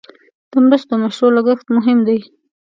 د مرستو مشروع لګښت مهم دی.